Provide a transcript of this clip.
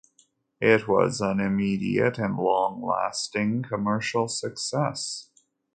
It was an immediate and long-lasting commercial success.